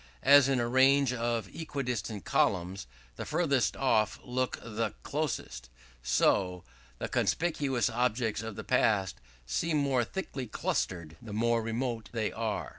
As in a range of equidistant columns, the furthest off look the closest; so, the conspicuous objects of the past seem more thickly clustered the more remote they are."